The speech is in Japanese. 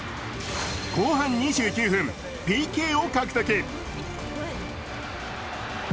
後半２９分、ＰＫを獲得。